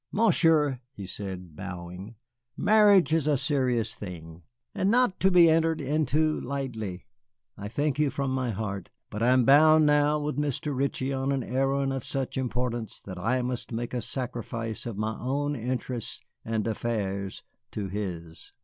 "Monsieur," he said, bowing, "marriage is a serious thing, and not to be entered into lightly. I thank you from my heart, but I am bound now with Mr. Ritchie on an errand of such importance that I must make a sacrifice of my own interests and affairs to his."